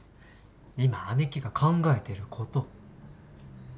今姉貴が考えてること。